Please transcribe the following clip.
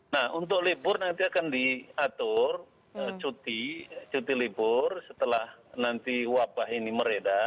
nah untuk libur nanti akan diatur cuti libur setelah nanti wabah ini meredah